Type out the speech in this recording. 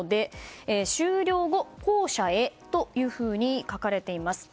終了後、公舎へと書かれています。